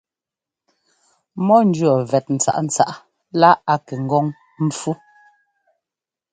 Mɔ ńjʉɔ́ vɛt ntsǎꞌntsǎꞌa lá a kɛ ŋgɔ́ŋ ḿpfú.